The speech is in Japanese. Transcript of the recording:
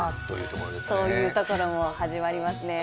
そういうところも始まりますね。